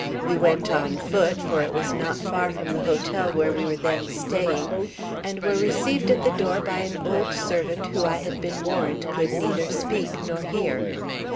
We went on foot, for it was not far from the hotel where we were then staying, and were received at the door by an old servant who I had been warned could neither speak nor hear.